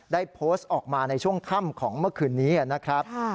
ได้โพสต์ออกมาในช่วงค่ำของเมื่อคืนนี้นะครับ